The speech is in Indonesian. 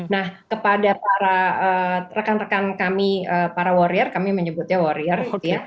nah kepada para rekan rekan kami para warrior kami menyebutnya warrior